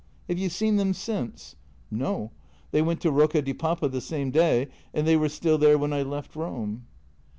" Have you seen them since? "" No. They went to Rocca di Papa the same day, and they were still there when I left Rome."